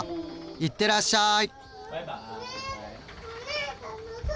いってらっしゃい！